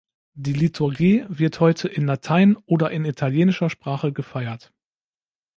Die Liturgie wird heute in Latein oder in italienischer Sprache gefeiert.